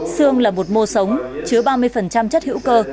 xương là một mô sống chứa ba mươi chất hữu cơ